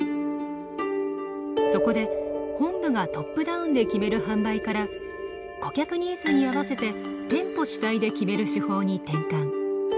そこで本部がトップダウンで決める販売から顧客ニーズに合わせて店舗主体で決める手法に転換。